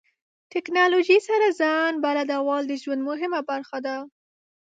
ټکنالوژي سره ځان بلدول د ژوند مهمه برخه ده.